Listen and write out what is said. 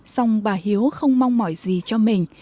song bà hiếu không mong mỏi gì cho mình